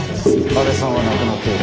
阿部さんは亡くなっている。